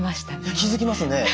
気付きますね。